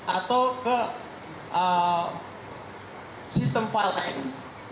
atau ke sistem file lain